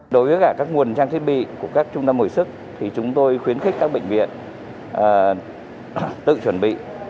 đối với cả các nguồn trang thiết bị của các trung tâm hồi sức thì chúng tôi khuyến khích các bệnh viện tự chuẩn bị